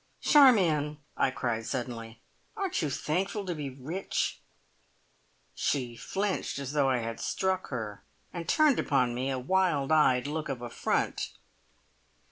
"Charmion!" I cried suddenly, "aren't you thankful to be rich?" She flinched as though I had struck her, and turned upon me a wild eyed look of affront.